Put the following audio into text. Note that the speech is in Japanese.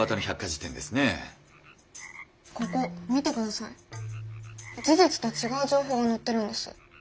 事実と違う情報が載ってるんです。